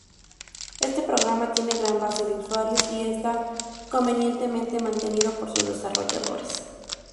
Este programa tiene gran base de usuarios y está convenientemente mantenido por sus desarrolladores.